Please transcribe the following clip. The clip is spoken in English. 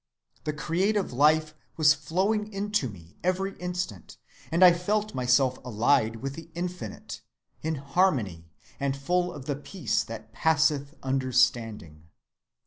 The creative life was flowing into me every instant, and I felt myself allied with the Infinite, in harmony, and full of the peace that passeth understanding.